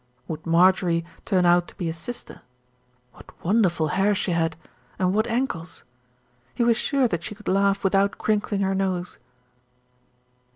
Would Marjorie turn out to be a sister? What wonderful hair she had, and what ankles! He was sure that she could laugh without crinkling her nose.